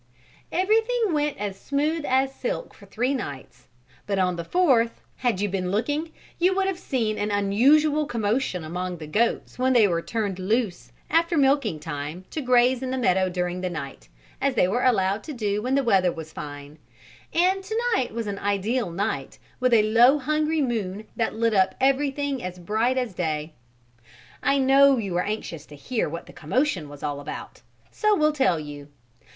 Everything went smooth as silk for three nights but on the fourth, had you been looking you would have seen an unusual commotion among the goats when they were turned loose after milking time to graze in the meadow during the night, as they were allowed to do when the weather was fine; and to night was an ideal night with a low hungry moon that lit up everything as bright as day. I know you are anxious to hear what the commotion was all about, so will tell you.